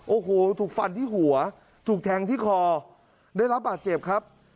โอ้โหถูกฟันที่หัวถูกแทงที่คอได้รับบาดเจ็บครับ